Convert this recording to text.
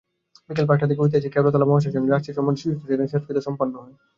বিকেল পাঁচটার দিকে ঐতিহাসিক কেওড়াতলা মহাশ্মশানে রাষ্ট্রীয় সম্মানে সুচিত্রা সেনের শেষকৃত্য সম্পন্ন হয়।